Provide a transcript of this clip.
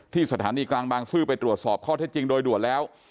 สถานีกลางบางซื่อไปตรวจสอบข้อเท็จจริงโดยด่วนแล้ว